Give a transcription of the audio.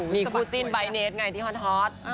มีกุจิ้นใบเนสไงที่ฮอทธอต